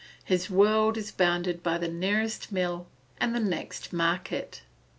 His world is bounded by the nearest mill and the next market.